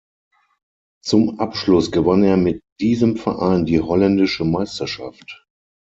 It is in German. Zum Abschluss gewann er mit diesem Verein die holländische Meisterschaft.